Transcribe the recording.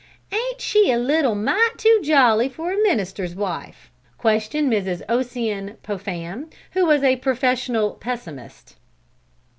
"Ain't she a little mite too jolly for a minister's wife?" questioned Mrs. Ossian Popham, who was a professional pessimist.